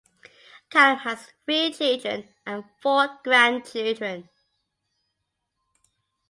Callum has three children and four grandchildren.